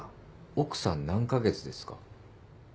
奥さん何カ月ですか？